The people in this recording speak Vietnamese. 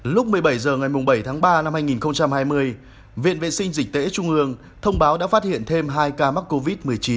lúc một mươi bảy h ngày bảy tháng ba năm hai nghìn hai mươi viện vệ sinh dịch tễ trung ương thông báo đã phát hiện thêm hai ca mắc covid một mươi chín